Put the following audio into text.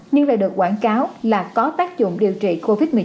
nhưng lại được quảng cáo là có tác dụng điều trị covid một mươi chín